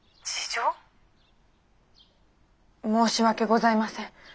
申し訳ございません。